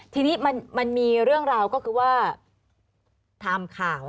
ทีนี้มันมีเรื่องราวก็คือว่าทำข่าว